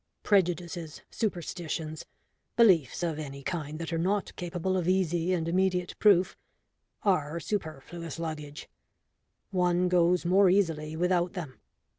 Prejudices, superstitions, beliefs of any kind that are not capable of easy and immediate proof are superfluous luggage; one goes more easily without them.